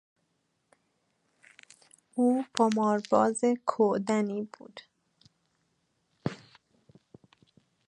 او قمارباز کودنی بود.